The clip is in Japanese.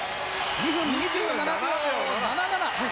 ２分２７秒７！？